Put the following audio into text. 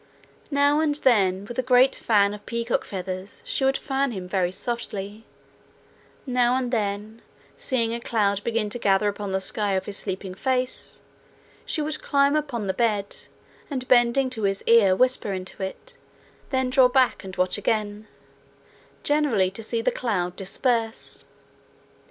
Now and then with a great fan of peacock feathers she would fan him very softly; now and then, seeing a cloud begin to gather upon the sky of his sleeping face, she would climb upon the bed, and bending to his ear whisper into it, then draw back and watch again generally to see the cloud disperse.